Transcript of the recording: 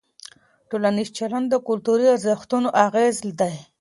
ټولنیز چلند د کلتوري ارزښتونو اغېز دی.